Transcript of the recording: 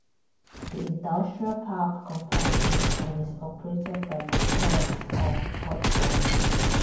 The industrial park comprises and is operated by the Port of Portland.